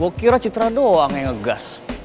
mau kira citra doang yang ngegas